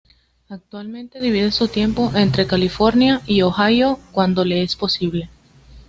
Actualmente divide su tiempo entre California y Ohio, cuando le es posible.